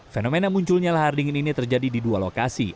fenomena munculnya lahar dingin ini terjadi di dua lokasi